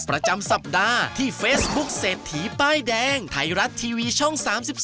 ประจำสัปดาห์ที่เฟซบุ๊คเศรษฐีป้ายแดงไทยรัฐทีวีช่อง๓๒